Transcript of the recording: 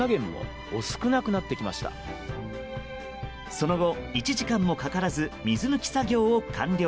その後、１時間もかからず水抜き作業を完了。